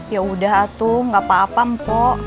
yaudah atum gak apa apa po